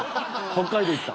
北海道行ったん？